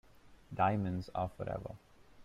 Diamonds are forever.